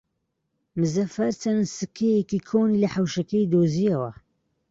مزەفەر چەند سکەیەکی کۆنی لە حەوشەکەی دۆزییەوە.